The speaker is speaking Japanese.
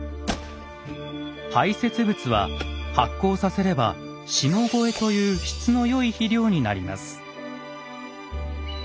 排せつ物は発酵させれば「下肥」という質の良い肥料になります。